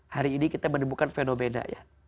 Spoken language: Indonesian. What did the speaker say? hari ini kita menemukan fenomena ya